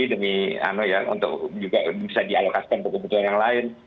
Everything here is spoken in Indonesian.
demi bisa dialokasikan ke kebutuhan yang lain